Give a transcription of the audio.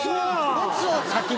没を先に？